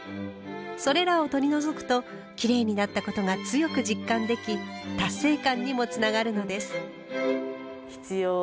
それらを取り除くときれいになったことが強く実感でき達成感にもつながるのです。